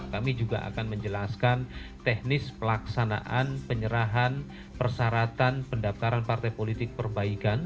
kami juga akan menjelaskan teknis pelaksanaan penyerahan persyaratan pendaftaran partai politik perbaikan